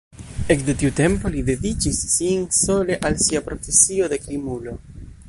Ekde tiu tempo li dediĉis sin sole al sia „profesio“ de krimulo.